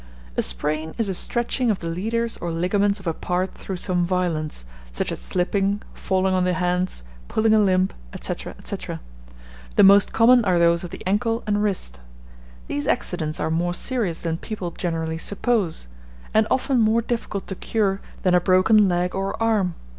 A sprain is a stretching of the leaders or ligaments of a part through some violence, such as slipping, falling on the hands, pulling a limb, &c. &c. The most common are those of the ankle and wrist. These accidents are more serious than people generally suppose, and often more difficult to cure than a broken log or arm.